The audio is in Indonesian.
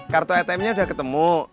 kartu atm nya udah ketemu